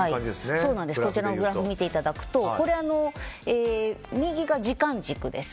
こちらのグラフを見ていただくと右が時間軸です。